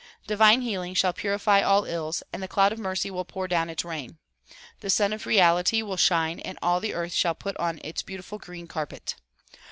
Divine healing shall purify all ills and the cloud of mercy will pour down its rain. The Sun of Reality will shine and all the earth shall put on its beautiful green 128 THE PROMULGATION OF UNIVERSAL PEACE carpet.